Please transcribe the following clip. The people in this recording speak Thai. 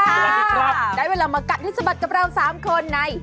สวัสดีครับได้เวลามากัดให้สะบัดกับเรา๓คนใน